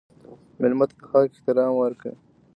مېلمه ته د حق احترام ورکړه.